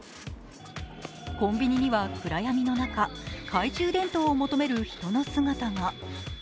コンビニには暗闇の中、懐中電灯を求める人の姿が。